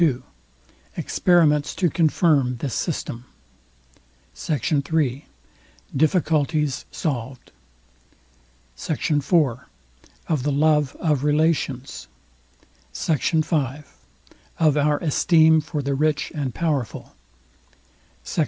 II EXPERIMENTS TO CONFIRM THIS SYSTEM SECT. III DIFFICULTIES SOLVED SECT. IV OF THE LOVE OF RELATIONS SECT. V OF OUR ESTEEM FOR THE RICH AND POWERFUL SECT.